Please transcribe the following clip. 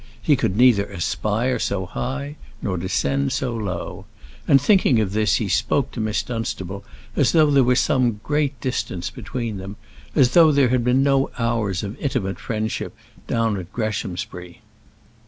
He could neither aspire so high nor descend so low; and thinking of this he spoke to Miss Dunstable as though there were some great distance between them, as though there had been no hours of intimate friendship down at Greshamsbury.